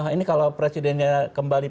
ini kalau presidennya kembali